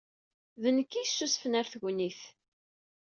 D nekk ay yessusfen ɣer tegnit.